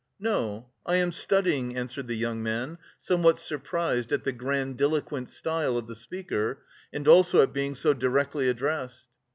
"No, I am studying," answered the young man, somewhat surprised at the grandiloquent style of the speaker and also at being so directly addressed.